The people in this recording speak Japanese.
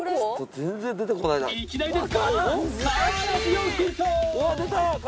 いきなりですが。